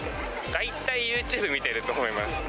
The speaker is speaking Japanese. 大体、ユーチューブ見てると思います。